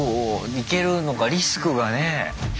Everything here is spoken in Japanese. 行けるのかリスクがね。